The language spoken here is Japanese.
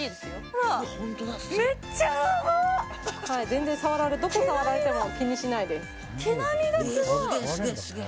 全然どこ触られても気にしないです。